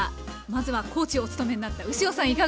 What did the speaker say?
まずはコーチをお務めになった牛尾さん